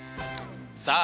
さあ